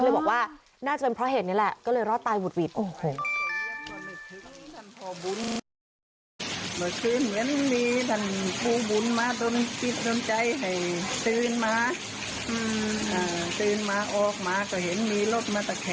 เลยบอกว่าน่าจะเป็นเพราะเห็นนี่แหละก็เลยรอดตายหุดหวิด